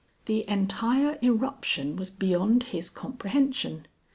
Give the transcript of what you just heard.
The entire eruption was beyond his comprehension.